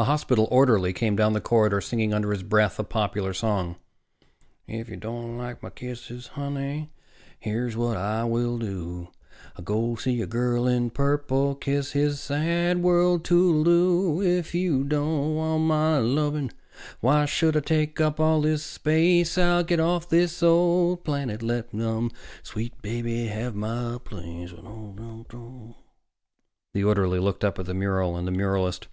A hospital orderly came down the corridor, singing under his breath a popular song: If you don't like my kisses, honey, Here's what I will do: I'll go see a girl in purple, Kiss this sad world toodle oo. If you don't want my lovin', Why should I take up all this space? I'll get off this old planet, Let some sweet baby have my place. The orderly looked in at the mural and the muralist.